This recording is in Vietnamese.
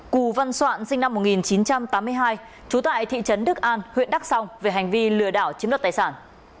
cù văn soạn sinh năm một nghìn chín trăm tám mươi hai trú tại thị trấn đức an huyện đắk song về hành vi lừa đảo chiếm đoạt tài sản